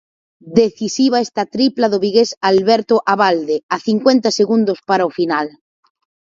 Decisiva esta tripla do vigués Alberto Abalde a cincuenta segundos para o final.